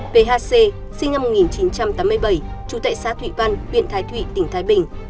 v h c sinh năm một nghìn chín trăm tám mươi bảy trú tại xã thụy văn huyện thái thụy tỉnh thái bình